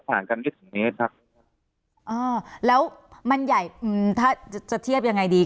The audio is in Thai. ผ่านกันเกือบหนึ่งเมตรครับอ่าแล้วมันใหญ่อืมถ้าจะเทียบยังไงดี